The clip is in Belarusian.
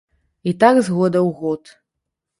І так з года ў год.